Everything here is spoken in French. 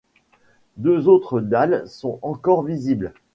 Deux autres dalles sont encore visibles.